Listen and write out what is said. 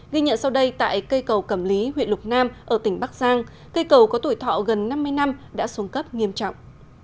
ghi nhận sau đây tại cây cầu cẩm lý huyện lục nam ở tỉnh bắc giang cây cầu có tuổi thọ gần năm mươi năm đã xuống cấp nghiêm trọng